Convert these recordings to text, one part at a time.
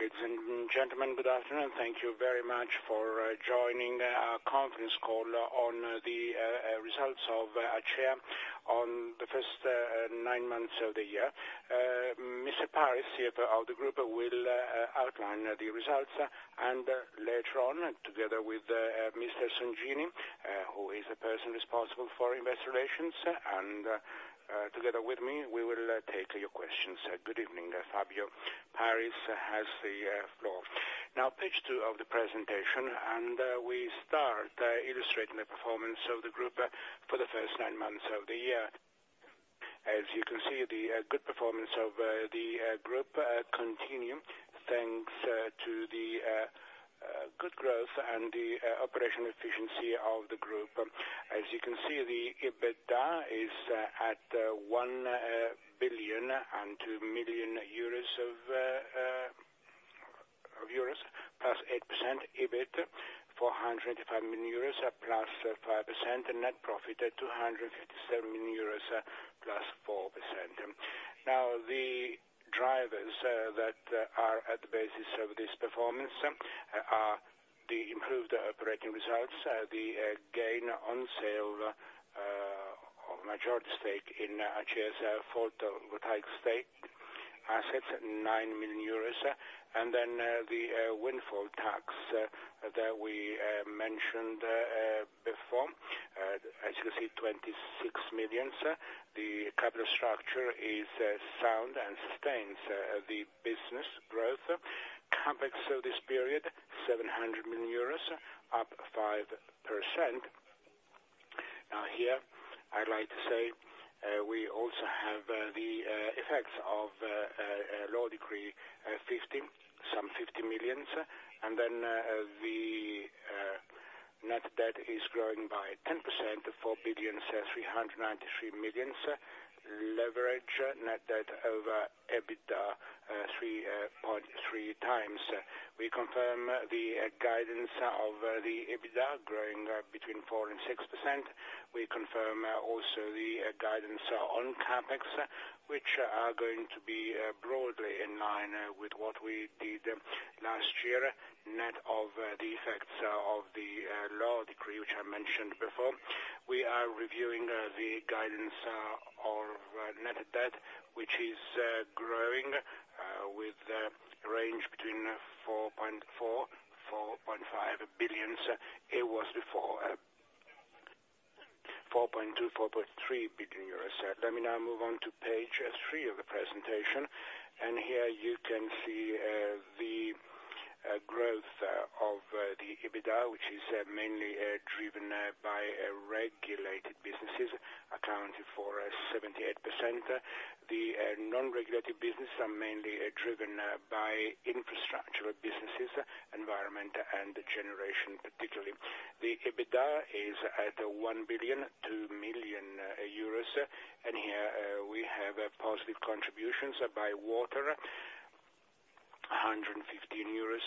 Ladies and gentlemen, good afternoon. Thank you very much for joining our conference call on the results of ACEA on the first nine months of the year. Mr. Fabrizio Palermo, CEO of the group, will outline the results. Later on, together with Mr. Songini, who is the person responsible for investor relations, and together with me, we will take your questions. Good evening. Fabrizio Palermo has the floor. Now, page two of the presentation, and we start illustrating the performance of the group for the first nine months of the year. As you can see, the good performance of the group continue, thanks to the good growth and the operational efficiency of the group. As you can see, the EBITDA is at 1.002 billion, +8%. EBIT, 405 million euros, +5%, and net profit at 257 million euros, +4%. Now, the drivers that are at the basis of this performance are the improved operating results, the gain on sale of majority stake in ACEA's photovoltaic assets, 9 million euros, and then the windfall tax that we mentioned before. As you see, 26 million. The capital structure is sound and sustains the business growth. CapEx of this period, 700 million euros, up 5%. Now here, I'd like to say we also have the effects of Law Decree no. 50/2022, some 50 million. The net debt is growing by 10% to 4.393 billion. Leverage, net debt over EBITDA, 3.3x. We confirm the guidance of the EBITDA growing between 4%-6%. We confirm also the guidance on CapEx, which are going to be broadly in line with what we did last year, net of the effects of the law decree, which I mentioned before. We are reviewing the guidance of net debt, which is growing with a range between 4.4 billion and 4.5 billion. It was before 4.2-4.3 billion euros. Let me now move on to page three of the presentation, and here you can see the growth of the EBITDA, which is mainly driven by regulated businesses, accounting for 78%. The non-regulated business are mainly driven by infrastructure businesses, environment and generation, particularly. The EBITDA is at 1.002 billion, and here, we have positive contributions by water, 115 million euros,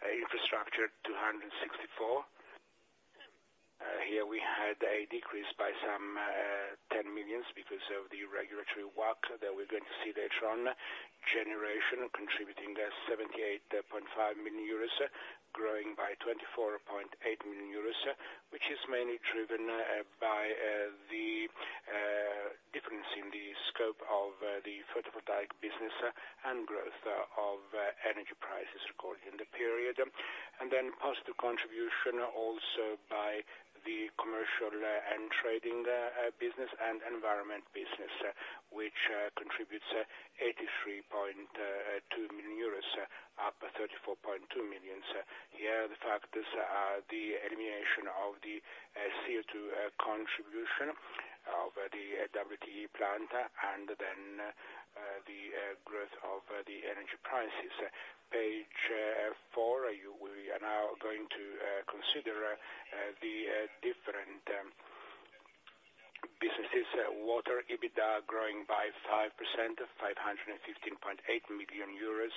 infrastructure, 264 million. Here we had a decrease by some 10 million because of the regulatory work that we're going to see later on. Generation contributing 78.5 million euros, growing by 24.8 million euros, which is mainly driven by the difference in the scope of the photovoltaic business and growth of energy prices recorded in the period. Positive contribution also by the commercial and trading business and environment business, which contributes 83.2 million euros, up 34.2 million. Here, the factors are the elimination of the CO2 contribution of the WTE plant, and then the growth of the energy prices. Page four, we are now going to consider the different businesses. Water EBITDA growing by 5% to 515.8 million euros.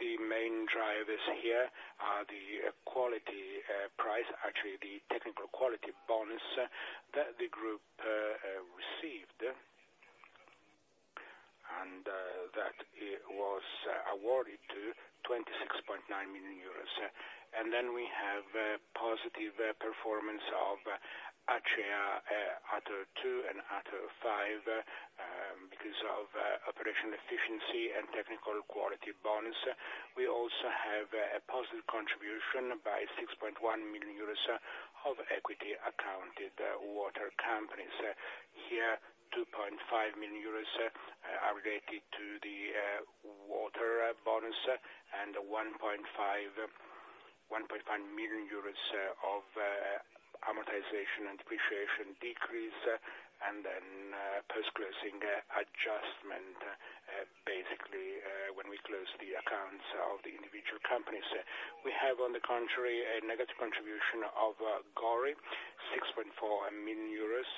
The main drivers here are the quality price, actually, the technical quality bonus that the group received, and that it was awarded of 26.9 million euros. We have a positive performance of ACEA, ATO 2 and ATO 5 because of operational efficiency and technical quality bonus. We also have a positive contribution by 6.1 million euros of equity accounted water companies. Here, 2.5 million euros are related to the water bonus, and 1.5 million euros of amortization and depreciation decrease, and then post-closing adjustment, basically, when we close the accounts of the individual companies. We have, on the contrary, a negative contribution of Gori, 6.4 million euros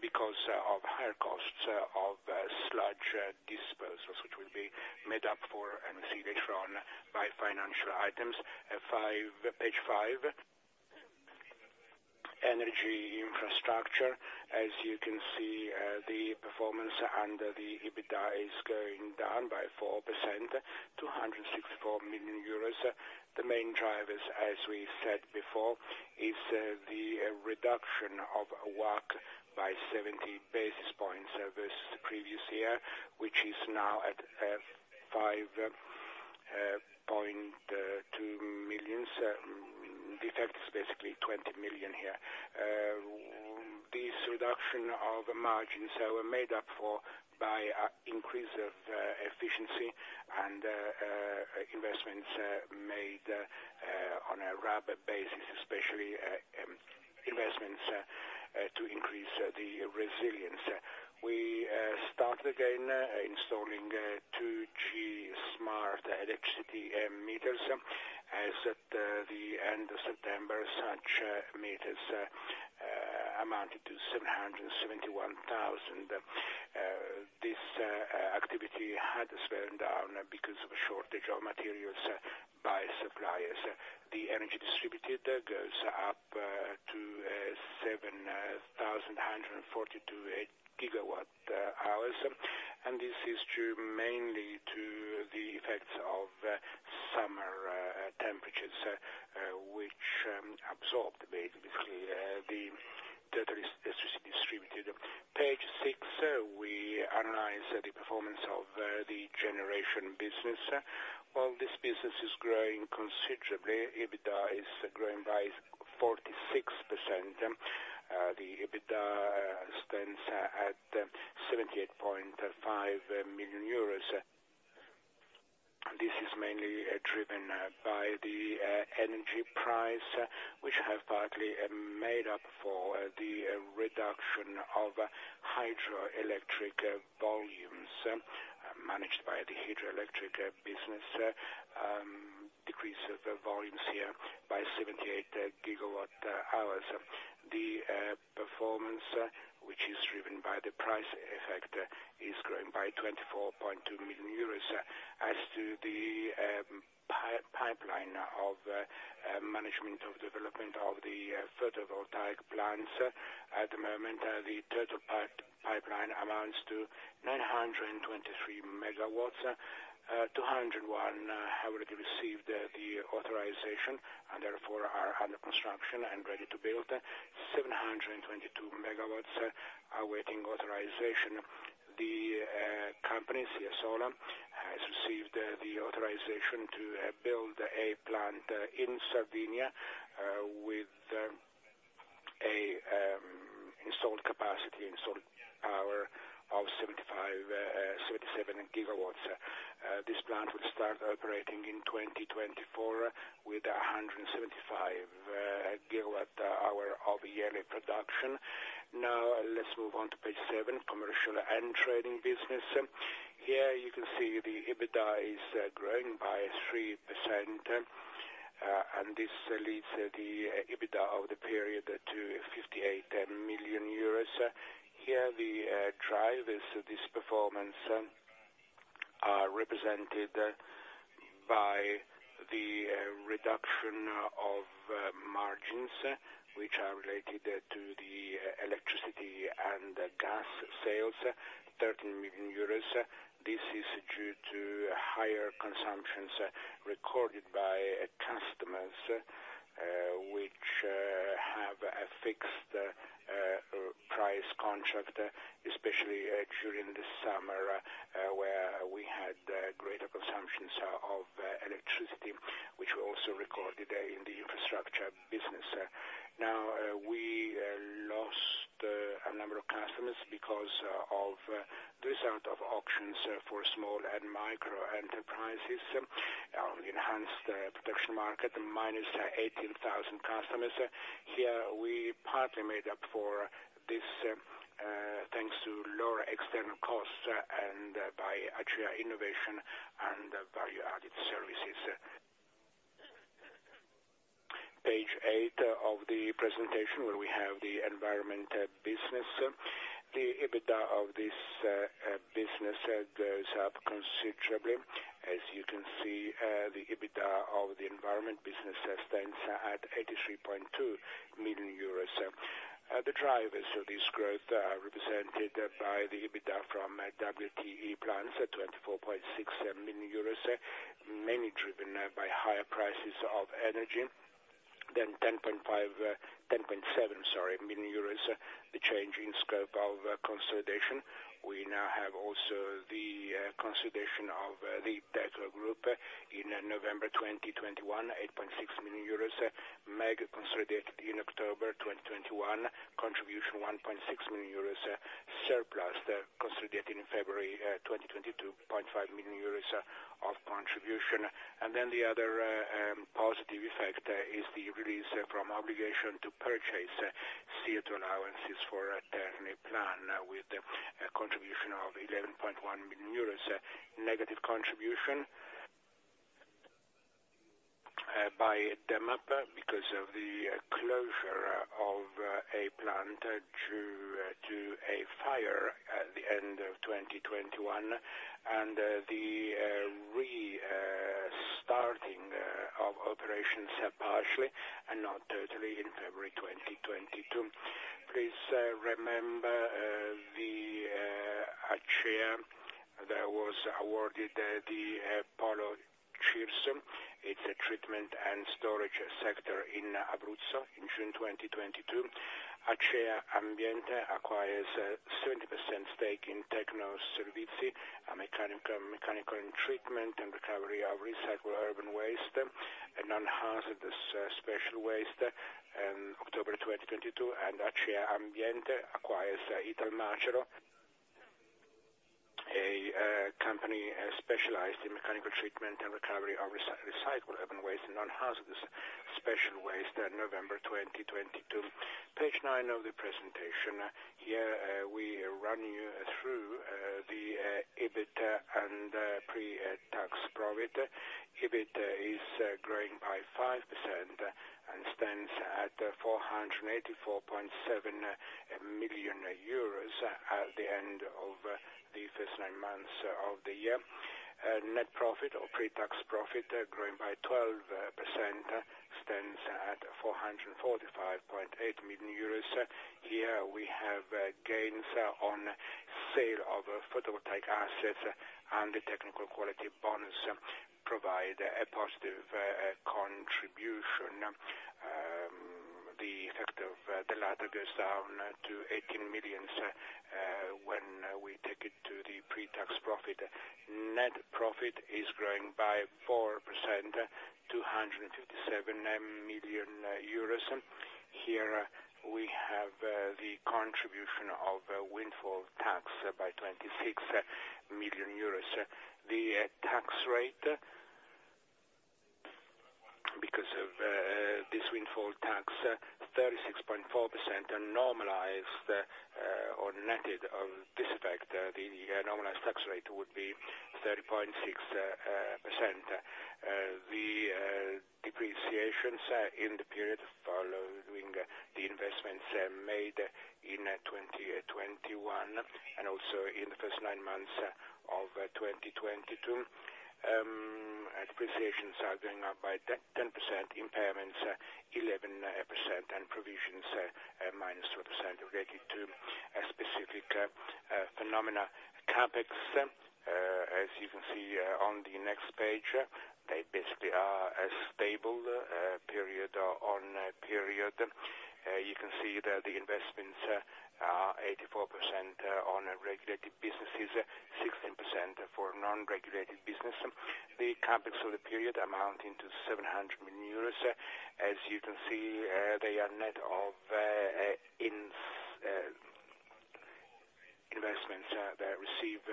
because of higher costs of sludge disposals, which will be made up for and seen later on by financial items. Page five. Energy infrastructure. As you can see, the performance under the EBITDA is going down by 4% to 164 million euros. The main drivers, as we said before, is the reduction of WACC by 70 basis points over previous year, which is now at 5.2%. The effect is basically 20 million here. This reduction of margins are made up for by a increase of efficiency and investments made on a RAB basis, especially investments to increase the resilience. We start again installing 2G smart electricity meters. As at the end of September, such meters amounted to 771,000. This activity had to slow them down because of a shortage of materials by suppliers. The energy distributed goes up to 7,142 GWh, and this is due mainly to the effects of summer temperatures, which absorbed basically the total electricity distributed. Page six, we analyze the performance of the generation business. Well, this business is growing considerably. EBITDA is growing by 46%. The EBITDA stands at 78.5 million euros. This is mainly driven by the energy prices, which have partly made up for the reduction of hydroelectric volumes managed by the hydroelectric business, decreased the volumes here by 78 GWh. The performance, which is driven by the price effect, is growing by 24.2 million euros. As to the pipeline of management of development of the photovoltaic plants. At the moment, the total pipeline amounts to 923 MW. 201 have already received the authorization, and therefore are under construction and ready to build. 722 MW are waiting authorization. The company, ACEA Solar, has received the authorization to build a plant in Sardinia, with installed capacity, installed power of 77 megawatts. This plant will start operating in 2024 with 175 GWh of yearly production. Now let's move on to page seven, commercial and trading business. Here you can see the EBITDA is growing by 3%, and this leads the EBITDA of the period to 58 million euros. Here the driver is this performance represented by the reduction of margins which are related to the electricity and gas sales, 13 million euros. This is due to higher consumptions recorded by customers, which have a fixed price contract, especially during the summer, where we had greater consumptions of electricity, which we also recorded in the infrastructure business. Now, we lost a number of customers because of the result of auctions for small and micro-enterprises, enhanced production market, -18,000 customers. Here we partly made up for this, thanks to lower external costs and by actual innovation and value-added services. Page 8 of the presentation, where we have the environment business. The EBITDA of this business goes up considerably. As you can see, the EBITDA of the environment business stands at 83.2 million euros. The drivers of this growth are represented by the EBITDA from WTE plants at 24.6 million euros, mainly driven by higher prices of energy, 10.7 million euros. The change in scope of consolidation. We now have also the consolidation of the Deco Group in November 2021, 8.6 million euros. MEG consolidated in October 2021, contribution 1.6 million euros. Serplast consolidated in February 2022, 0.5 million euros of contribution. The other positive effect is the release from obligation to purchase CO2 allowances for a Terni plant with a contribution of 11.1 million euros. Negative contribution by DEMAP because of the closure of a plant due to a fire at the end of 2021 and the restarting of operations are partially and not totally in February 2022. Please remember the ACEA that was awarded the Acquaser. It's a treatment and storage sector in Abruzzo in June 2022. ACEA Ambiente acquires a 70% stake in Tecnoservizi, a mechanical treatment and recovery of recycled urban waste and non-hazardous special waste in October 2022. ACEA Ambiente acquires Italmaceri, a company specialized in mechanical treatment and recovery of recyclable urban waste and non-hazardous special waste in November 2022. Page nine of the presentation. Here we run you through the EBIT and pre-tax profit. EBIT is growing by 5% and stands at 484.7 million euros at the end of the first nine months of the year. Net profit or pre-tax profit growing by 12% stands at 445.8 million euros. Here we have gains on sale of photovoltaic assets, and the technical quality bonds provide a positive contribution. The effect of the latter goes down to 18 million when we take it to the pre-tax profit. Net profit is growing by 4%, 257 million euros. Here we have the contribution of a windfall tax by 26 million euros. The tax rate because of this windfall tax 36.4% and normalized or netted of this effect, the normalized tax rate would be 30.6%. The depreciations in the period following the investments made in 2021 and also in the first nine months of 2022, depreciations are going up by 10%, impairments 11%, and provisions at -2% related to a specific phenomena CapEx. As you can see on the next page, they basically are a stable period on period. You can see that the investments are 84% on regulated businesses, 16% for non-regulated business. The CapEx of the period amounting to 700 million euros. As you can see, they are net of investments they receive.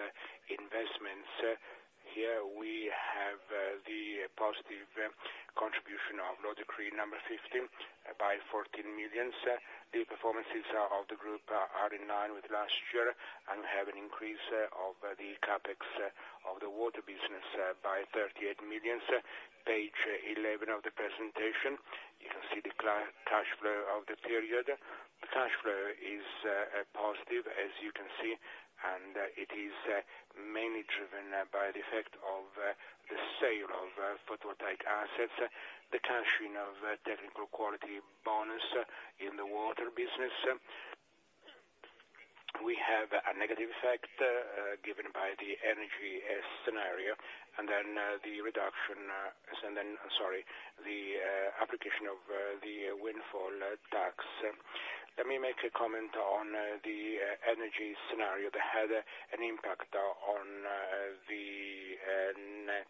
Here we have the positive contribution of Law Decree no. 50 by 14 million. The performances of the group are in line with last year and have an increase of the CapEx of the water business by 38 million. Page 11 of the presentation, you can see the cash flow of the period. Cash flow is positive, as you can see, and it is mainly driven by the effect of the sale of photovoltaic assets, the cash in of technical quality bonuses in the water business. We have a negative effect given by the energy scenario, and then I'm sorry, the application of the windfall tax. Let me make a comment on the energy scenario that had an impact on the net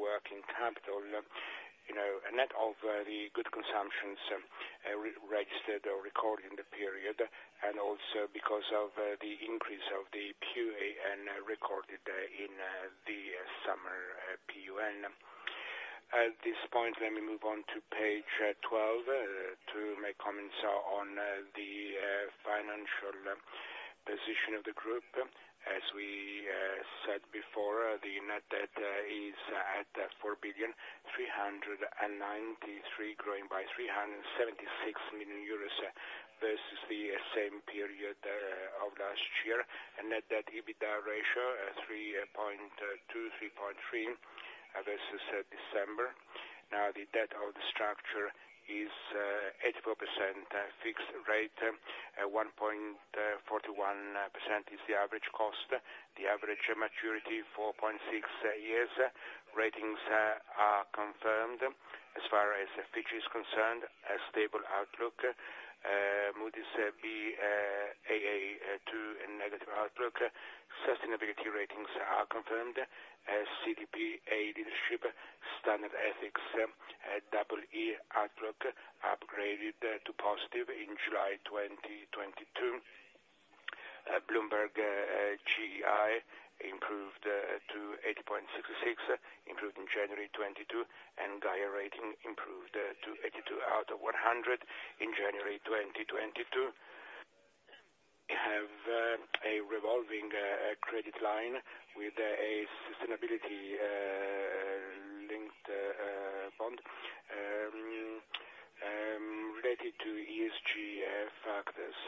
working capital, you know, net of the higher consumptions re-registered or recorded in the period, and also because of the increase of the PUN recorded in the summer PUN. At this point, let me move on to page 12 to make comments on the financial position of the group. As we said before, the net debt is at 4.393 billion, growing by 376 million euros versus the same period of last year. Net debt/EBITDA ratio 3.2x-3.3x versus December. Now, the debt structure is 84% fixed rate, 1.41% is the average cost. The average maturity, 4.6 years. Ratings are confirmed. As far as Fitch is concerned, a stable outlook. Moody's, Baa2 and negative outlook. Sustainability ratings are confirmed as CDP A Leadership. Standard Ethics, EE outlook upgraded to positive in July 2022. Bloomberg GEI improved to 80.66 in January 2022. Gaia rating improved to 82 out of 100 in January 2022. We have a revolving credit line with a sustainability-linked bond related to ESG factors,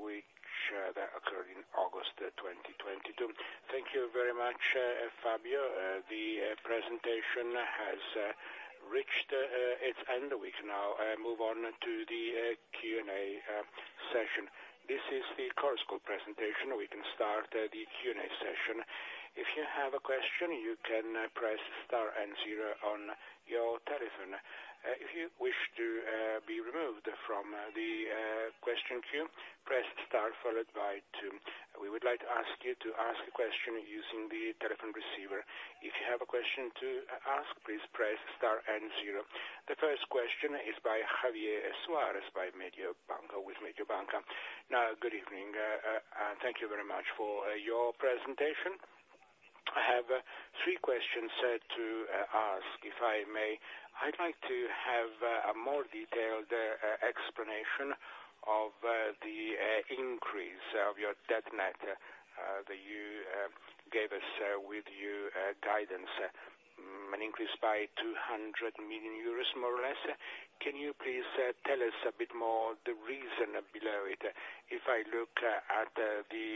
which occurred in August 2022. Thank you very much, Fabio. The presentation has reached its end. We can now move on to the Q&A session. This is the end of the presentation. We can start the Q&A session. If you have a question, you can press star and zero on your telephone. If you wish to be removed from the question queue, press star followed by two. We would like you to ask a question using the telephone receiver. If you have a question to ask, please press star and zero. The first question is by Javier Suárez of Mediobanca. Good evening and thank you very much for your presentation. I have three questions to ask, if I may. I'd like to have a more detailed explanation of the increase of your net debt that you gave us with your guidance. An increase by 200 million euros, more or less. Can you please tell us a bit more the reason behind it? If I look at the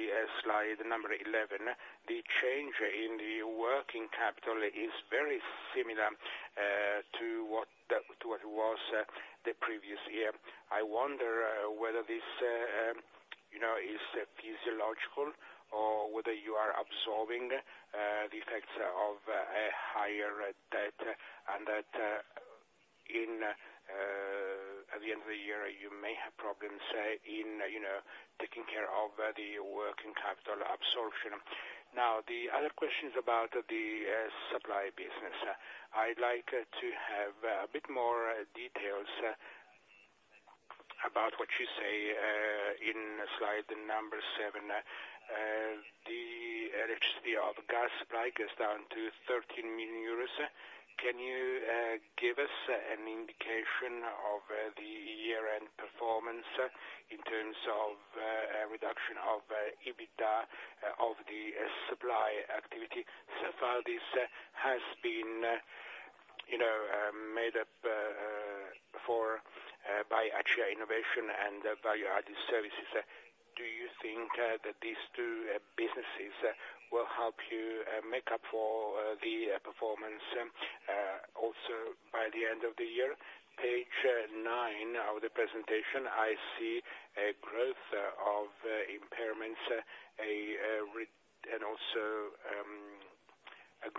slide number 11, the change in the working capital is very similar to what it was the previous year. I wonder whether this you know is physiological or whether you are absorbing the effects of a higher debt, and that in at the end of the year, you may have problems in you know taking care of the working capital absorption. Now, the other question is about the supply business. I'd like to have a bit more details about what you say in slide number 7. The electricity and gas supply goes down to 13 million euros. Can you give us an indication of the year-end performance in terms of reduction of EBITDA of the supply activity? So far, this has been, you know, made up for by actual innovation and value-added services. Do you think that these two businesses will help you make up for the performance also by the end of the year? Page 9 of the presentation, I see a growth of impairments and also a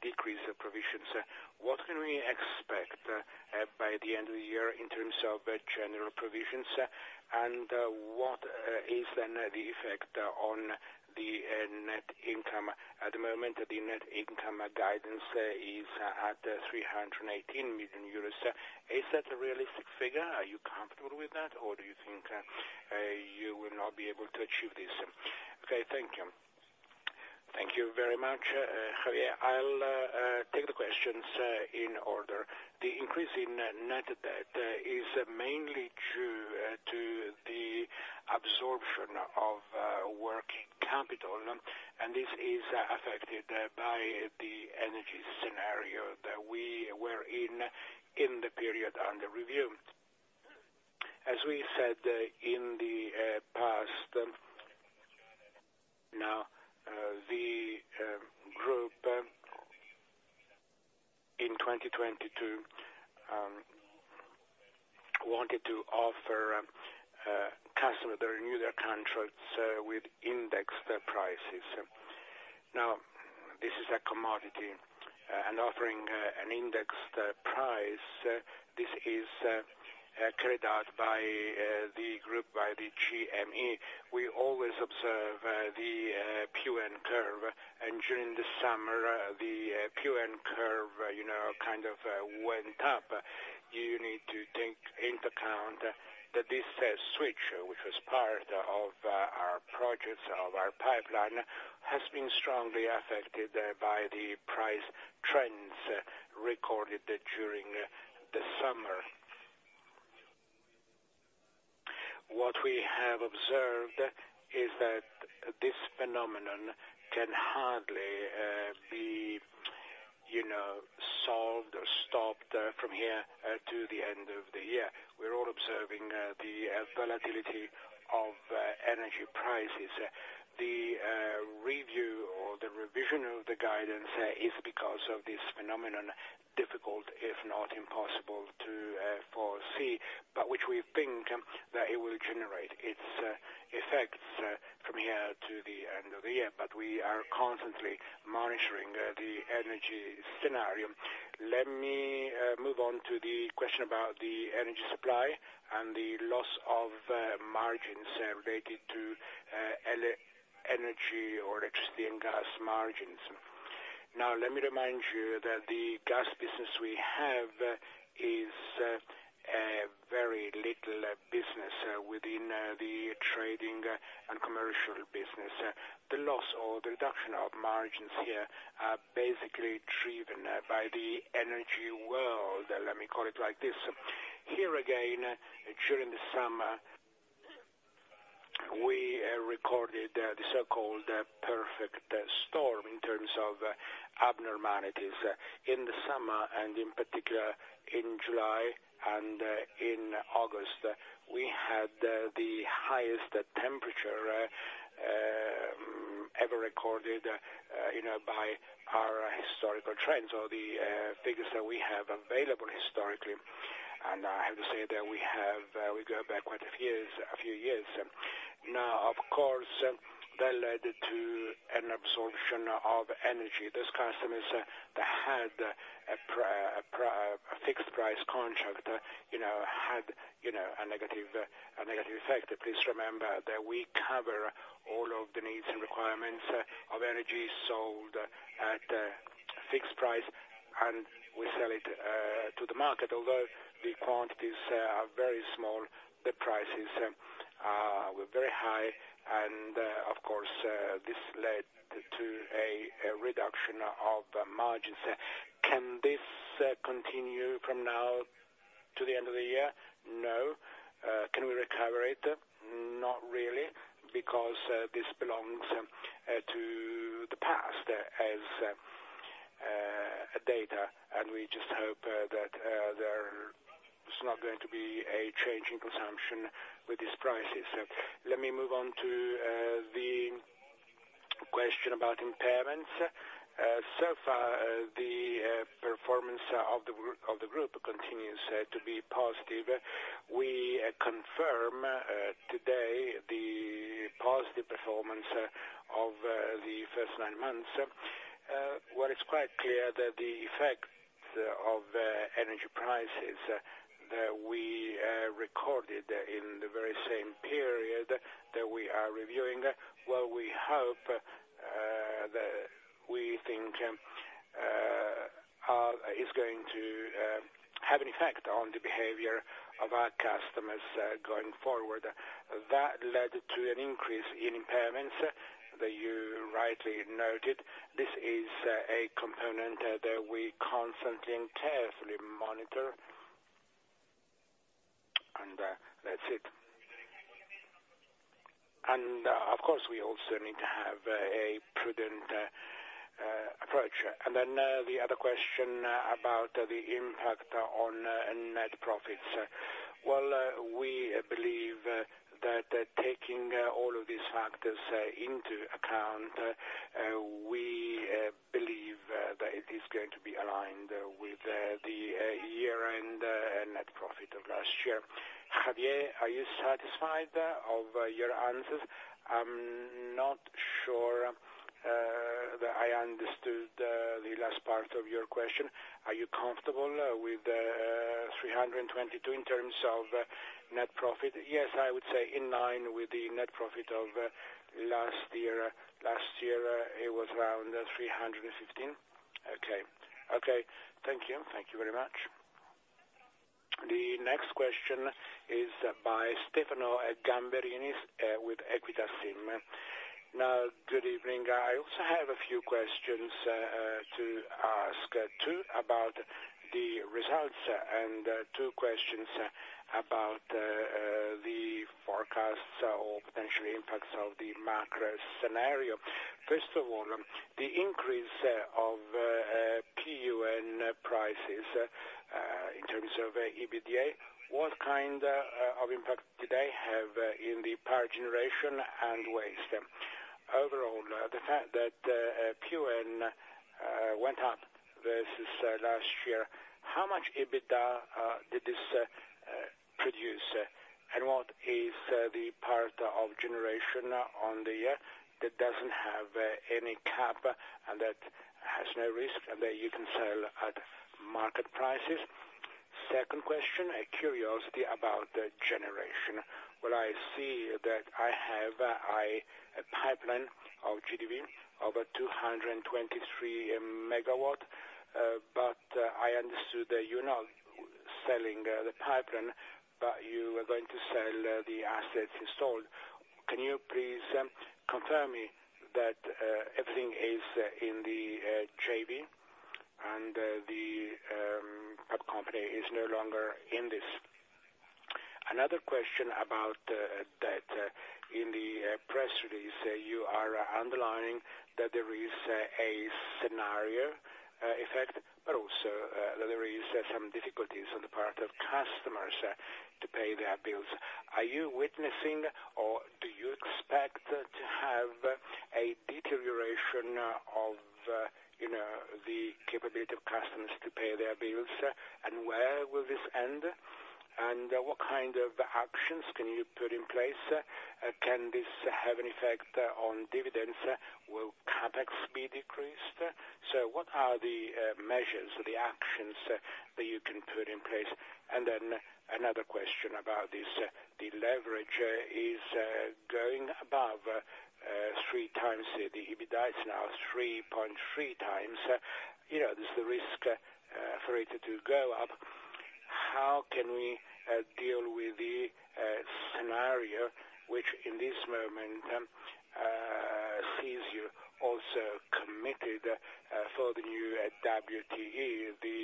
decrease of provisions. What can we expect by the end of the year in terms of general provisions? What is then the effect on the net income? At the moment, the net income guidance is at 318 million euros. Is that a realistic figure? Are you comfortable with that, or do you think you will not be able to achieve this? Okay, thank you. Thank you very much, Javier. I'll take the questions in order. The increase in net debt is mainly due to the absorption of working capital. This is affected by the energy scenario that we were in the period under review. As we said in the past, now the group in 2022 wanted to offer customer to renew their contracts with indexed prices. Now, this is a commodity, and offering an indexed price, this is carried out by the group, by the GME. We always observe the PUN curve, and during the summer, the PUN curve, you know, kind of went up. You need to take into account that this switch, which was part of our projects, of our pipeline, has been strongly affected by the price trends recorded during the summer. What we have observed is that this phenomenon can hardly be, you know, solved or stopped from here to the end of the year. We're all observing the volatility of energy prices. The review or the revision of the guidance is because of this phenomenon, difficult, if not impossible, to foresee, but which we think that it will generate its effects from here to the end of the year. We are constantly monitoring the energy scenario. Let me move on to the question about the energy supply and the loss of margins related to electricity and gas margins. Now, let me remind you that the gas business we have is a very little business within the trading and commercial business. The loss or the reduction of margins here are basically driven by the energy world, let me call it like this. Here again, during the summer, we recorded the so-called perfect storm in terms of abnormalities in the summer, and in particular in July and in August. We had the highest temperature ever recorded, you know, by our historical trends or the figures that we have available historically. I have to say that we have, we go back quite a few years. Now, of course, that led to an absorption of energy. Those customers that had a fixed price contract, you know, had a negative effect. Please remember that we cover all of the needs and requirements of energy sold at a fixed price, and we sell it to the market. Although the quantities are very small, the prices were very high. Of course, this led to a reduction of margins. Can this continue from now to the end of the year? No. Can we recover it? Not really, because this belongs to the past as data, and we just hope that there's not going to be a change in consumption with these prices. Let me move on to the question about impairments. So far, the performance of the group continues to be positive. We confirm today the positive performance of the first nine months. What is quite clear that the effect of energy prices that we recorded in the very same period that we are reviewing. Well, we hope we think is going to have an effect on the behavior of our customers going forward. That led to an increase in impairments that you rightly noted. This is a component that we constantly and carefully monitor. That's it. Of course, we also need to have a prudent approach. Then the other question about the impact on net profits. Well, we believe that taking all of these factors into account, we believe that it is going to be aligned with the year-end net profit of last year. Javier, are you satisfied of your answers? I'm not sure that I understood the last part of your question. Are you comfortable with the 322 in terms of net profit? Yes, I would say in line with the net profit of last year. Last year, it was around 315. Okay. Okay. Thank you. Thank you very much. The next question is by Stefano Gamberini with Equita SIM. Now, good evening. I also have a few questions to ask, two about the results and two questions about the forecasts or potential impacts of the macro scenario. First of all, the increase of PUN prices in terms of EBITDA, what kind of impact do they have in the power generation and waste? Overall, the fact that PUN went up versus last year, how much EBITDA did this produce? And what is the part of generation on the year that doesn't have any cap and that has no risk, and that you can sell at market prices? Second question, a curiosity about the generation. Well, I see that I have a pipeline of over 223 megawatts, but I understood that you're not selling the pipeline, but you are going to sell the assets installed. Can you please confirm me that everything is in the JV and the parent company is no longer in this? Another question about that in the press release, you are underlining that there is a scenario effect, but also that there is some difficulties on the part of customers to pay their bills. Are you witnessing or do you expect to have a deterioration of, you know, the capability of customers to pay their bills? And where will this end? And what kind of actions can you put in place? Can this have an effect on dividends? Will CapEx be decreased? What are the measures or the actions that you can put in place? Another question about this, the leverage is going above 3 times the EBITDA. It's now 3.3 times. You know, there's the risk for it to go up. How can we deal with the scenario, which in this moment committed for the new WTE. The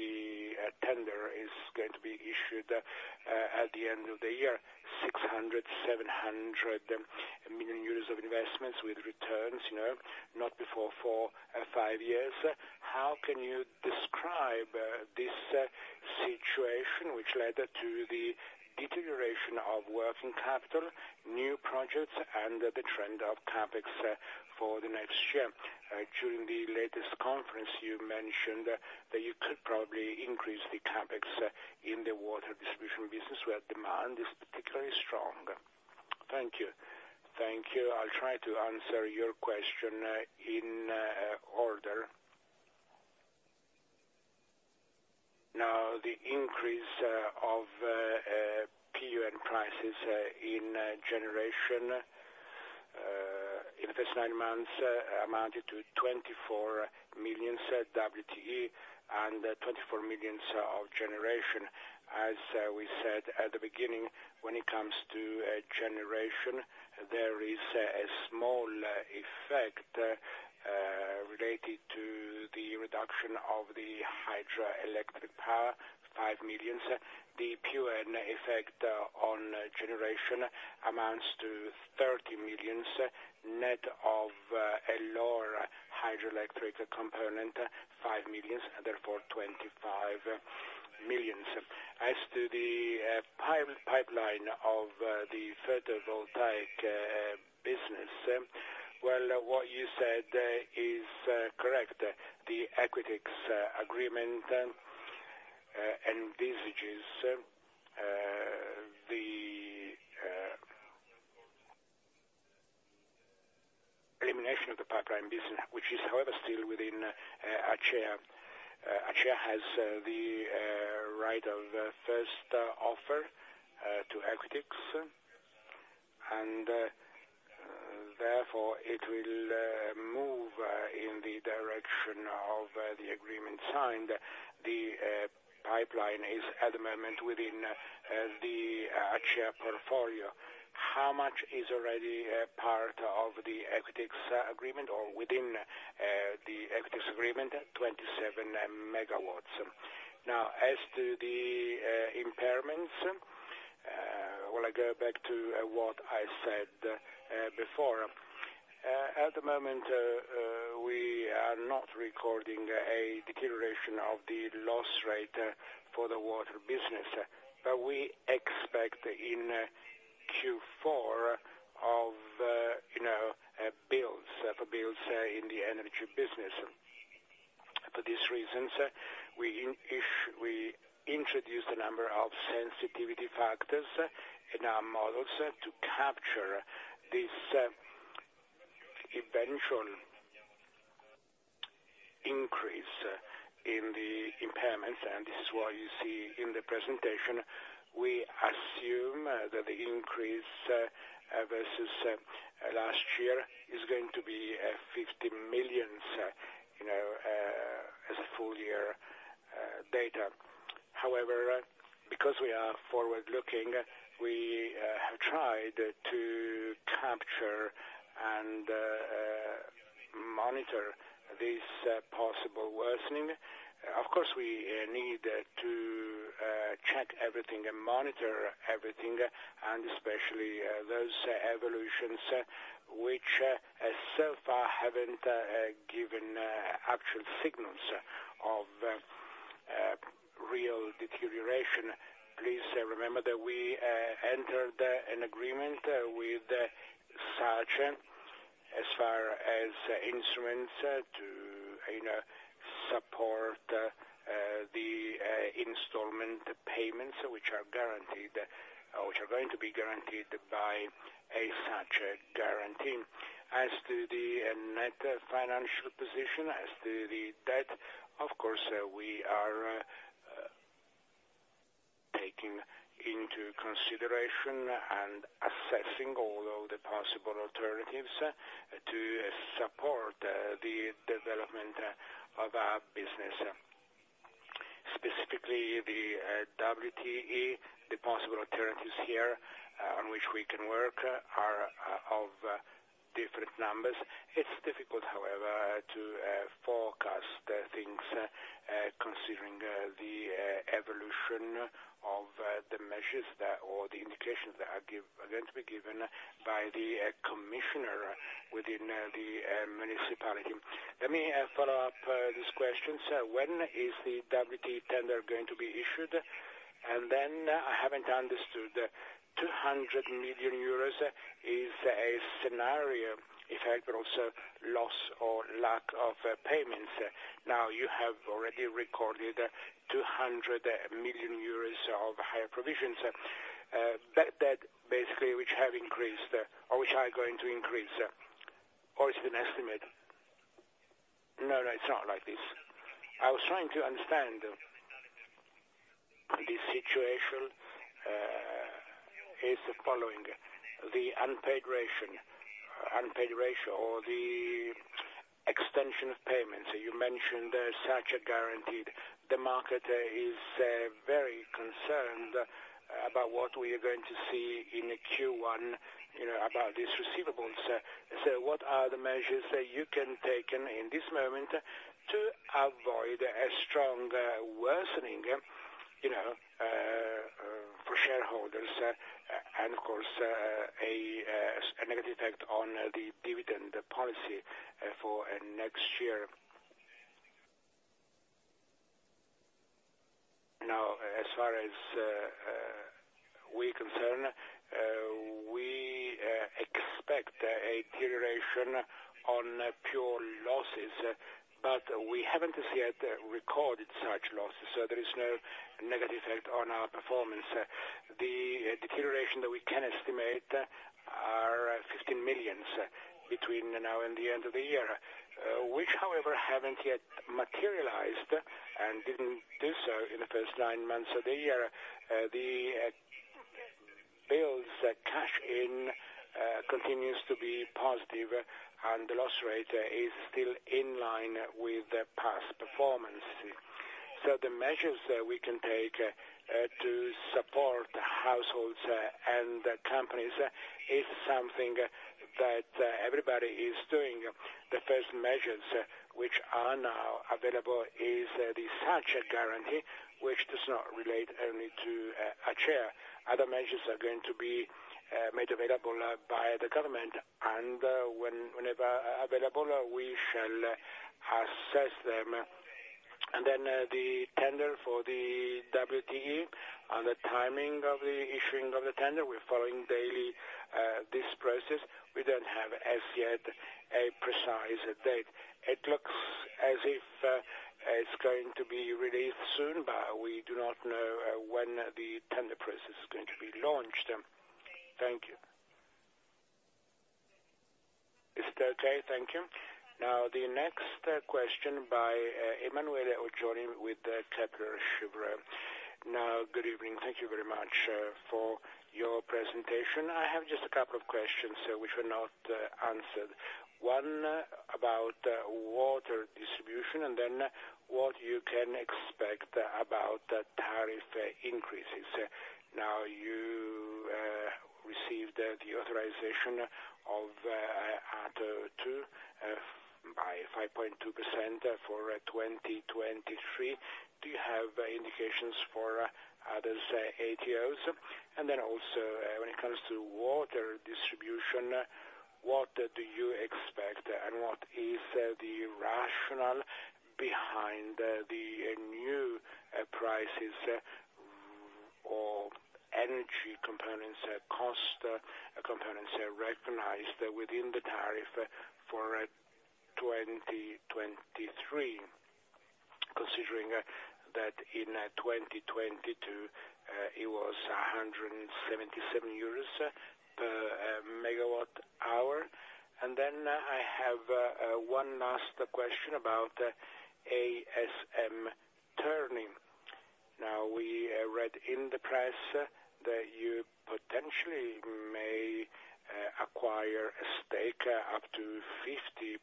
tender is going to be issued at the end of the year, 600-700 million euros of investments with returns you know not before four or five years. How can you describe this situation which led to the deterioration of working capital, new projects, and the trend of CapEx for the next year? During the latest conference, you mentioned that you could probably increase the CapEx in the water distribution business where demand is particularly strong. Thank you. I'll try to answer your question in order. Now, the increase of PUN prices in generation in the first nine months amounted to 24 million WTE and 24 million of generation. As we said at the beginning, when it comes to generation, there is a small effect related to the reduction of the hydroelectric power, 5 million. The PUN effect on generation amounts to 30 million net of a lower hydroelectric component, 5 million, and therefore 25 million. As to the pipeline of the photovoltaic business, well, what you said is correct. The Equitix agreement envisages the elimination of the pipeline business, which is, however, still within ACEA. ACEA has the right of first offer to Equitix, and therefore it will move in the direction of the agreement signed. The pipeline is at the moment within the ACEA portfolio. How much is already a part of the Equitix agreement or within the Equitix agreement? 27 MW. Now, as to the impairments, well, I go back to what I said before. At the moment, we are not recording a deterioration of the loss rate for the water business. We expect in Q4, you know, higher bills in the energy business. For these reasons, we introduced a number of sensitivity factors in our models to capture this eventual increase in the impairments, and this is what you see in the presentation. We assume that the increase versus last year is going to be 50 million, you know, as full-year data. However, because we are forward-looking, we have tried to capture and monitor this possible worsening. Of course, we need to check everything and monitor everything, and especially those evolutions which so far haven't given actual signals of real deterioration. Please remember that we entered an agreement with SACE as far as instruments to, you know, support the installment payments which are guaranteed, which are going to be guaranteed by a SACE guarantee. As to the net financial position, as to the debt, of course, we are taking into consideration and assessing all of the possible alternatives to support the development of our business. Specifically the WTE, the possible alternatives here on which we can work are of different numbers. It's difficult, however, to forecast things considering the evolution of the measures that or the indications that are going to be given by the commissioner within the municipality. Let me follow up these questions. When is the WTE tender going to be issued? I haven't understood, 200 million euros is a scenario effect, but also loss or lack of payments. Now, you have already recorded 200 million euros of higher provisions, that basically which have increased, or which are going to increase, or is it an estimate? No, no, it's not like this. I was trying to understand. The situation is the following: the unpaid ratio or the extension of payments. You mentioned SACE guarantee. The market is very concerned about what we are going to see in Q1, you know, about these receivables. What are the measures that you have taken in this moment to avoid a strong worsening, you know, for shareholders, and of course, a negative effect on the dividend policy for next year? Now, as far as we're concerned, we expect a deterioration on pure losses, but we haven't as yet recorded such losses, so there is no negative effect on our performance. The deterioration that we can estimate are 15 million between now and the end of the year. Which, however, haven't yet materialized and didn't do so in the first nine months of the year. The bills cash-in continues to be positive and the loss rate is still in line with the past performance. The measures that we can take to support households and the companies is something that everybody is doing. The first measures which are now available is the SACE guarantee, which does not relate only to ACEA. Other measures are going to be made available by the government, and whenever available, we shall assess them. The tender for the WTE and the timing of the issuing of the tender, we're following daily, this process. We don't have as yet a precise date. It looks as if it's going to be released soon, but we do not know when the tender process is going to be launched. Thank you. Is that okay? Thank you. Now, the next question by Emanuele Oggioni with Kepler Cheuvreux. Good evening. Thank you very much for your presentation. I have just a couple of questions which were not answered. One about water distribution, and then what you can expect about the tariff increases. Now, you received the authorization of ATO 2 by 5.2% for 2023. Do you have indications for other, say, ATOs? When it comes to water distribution, what do you expect, and what is the rationale behind the new prices or energy components, cost components recognized within the tariff for 2023, considering that in 2022, it was 177 euros per MWh. I have one last question about ASM Terni. We read in the press that you potentially may acquire a stake up to 50%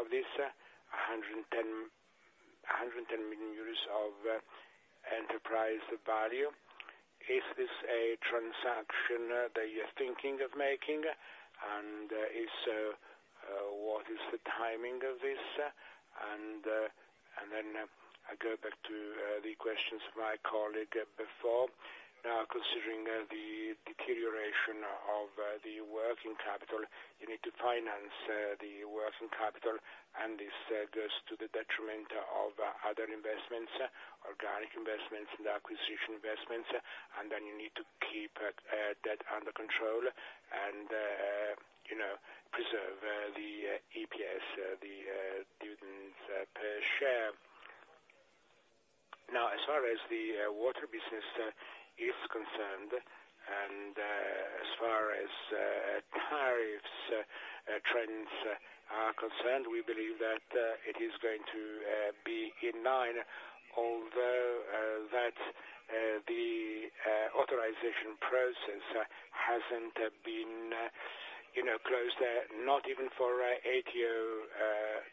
of this, 110 million euros of enterprise value. Is this a transaction that you're thinking of making? What is the timing of this? Then I go back to the questions of my colleague before. Now, considering the deterioration of the working capital, you need to finance the working capital, and this goes to the detriment of other investments, organic investments, and acquisition investments. You need to keep debt under control and you know, preserve the EPS, the dividends per share. Now, as far as the water business is concerned, and as far as tariffs trends are concerned, we believe that it is going to be in line, although that the authorization process hasn't been you know, closed, not even for ATO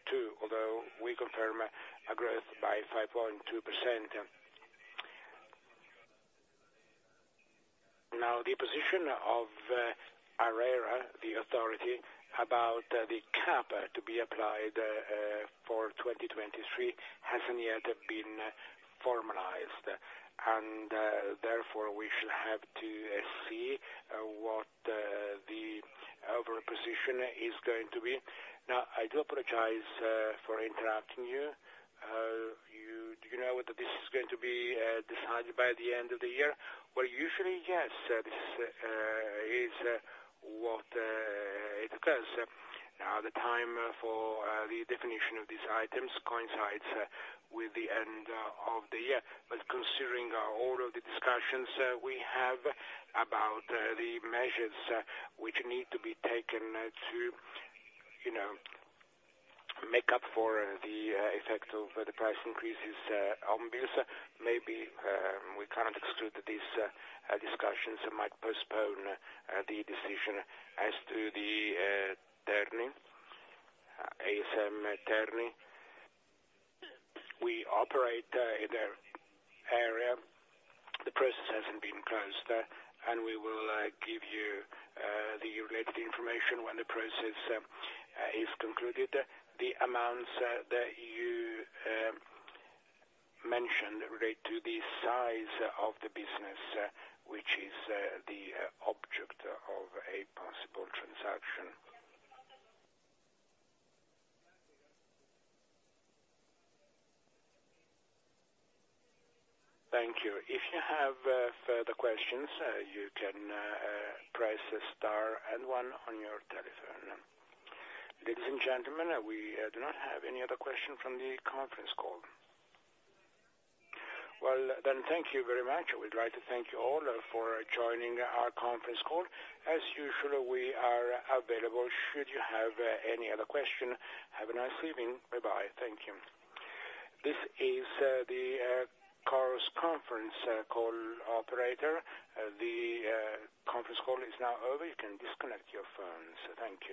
2, although we confirm a growth by 5.2%. Now, the position of ARERA, the authority, about the cap to be applied for 2023 hasn't yet been formalized. Therefore, we shall have to see what the overall position is going to be. Now, I do apologize for interrupting you. Do you know whether this is going to be decided by the end of the year? Well, usually, yes. This is what it occurs. Now, the time for the definition of these items coincides with the end of the year. Considering all of the discussions that we have about the measures which need to be taken to, you know, make up for the effect of the price increases on bills, maybe we can't exclude these discussions might postpone the decision. As to the Terni, ASM Terni, we operate in their area. The process hasn't been closed, and we will give you the related information when the process is concluded. The amounts that you mentioned relate to the size of the business, which is the object of a possible transaction. Thank you. If you have further questions, you can press star and one on your telephone. Ladies and gentlemen, we do not have any other question from the conference call. Well, then thank you very much. We'd like to thank you all for joining our conference call. As usual, we are available should you have any other question. Have a nice evening. Bye-bye. Thank you. This is the Chorus Call conference call operator. The conference call is now over. You can disconnect your phones. Thank you.